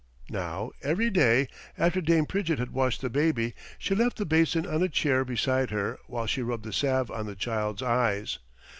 Now, every day, after Dame Pridgett had washed the baby, she left the basin on a chair beside her while she rubbed the salve on the child's eyes.